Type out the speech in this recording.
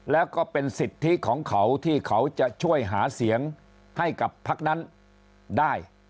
แล้วก็เป็นสิทธิของเขาที่เขาจะช่วยหาเสียงให้กับพักนั้นได้